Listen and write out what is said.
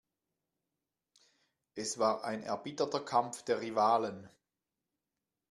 Es war ein erbitterter Kampf der Rivalen.